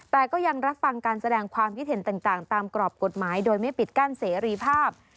แต่ก็ยังรับฟังการแสดงความคิดเห็นต่างตามกรอบกฎหมายโดยไม่ปิดกั้นเสรีภาพ